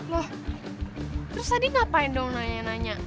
loh terus tadi ngapain dong nanya nanya